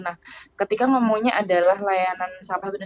nah ketika ngomonya adalah layanan sapa satu ratus dua puluh sembilan